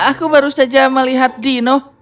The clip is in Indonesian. aku baru saja melihat dino